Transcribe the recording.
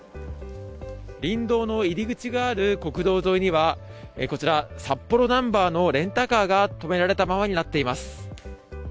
林道の入り口がある国道沿いにはこちら札幌ナンバーのレンタカーが止められたままになっています。